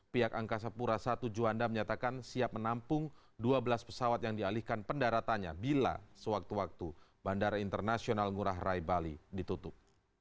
pihak angkasa pura i juanda menyatakan siap menampung dua belas pesawat yang dialihkan pendaratannya bila sewaktu waktu bandara internasional ngurah rai bali ditutup